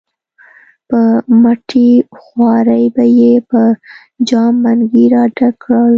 په مټې خوارۍ به یې په جام منګي را ډک کړل.